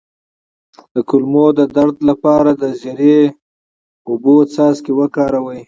د کولمو د درد لپاره د زیرې او اوبو څاڅکي وکاروئ